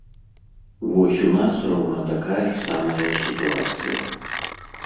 Вось у нас роўна такая ж самая сітуацыя.